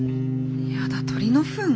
やだ鳥のふん？